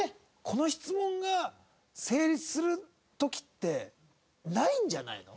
この質問が成立する時ってないんじゃないの？